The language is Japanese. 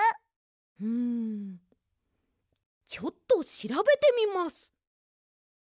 うんちょっとしらべてみます。